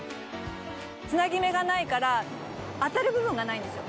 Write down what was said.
つなぎ目がないから当たる部分がないんですよ。